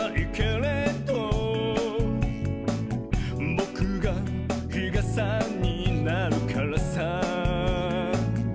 「ぼくがひがさになるからさ」